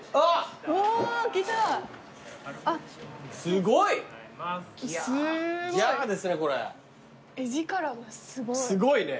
すごいね。